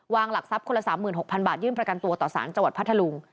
หลักทรัพย์คนละ๓๖๐๐บาทยื่นประกันตัวต่อสารจังหวัดพัทธลุง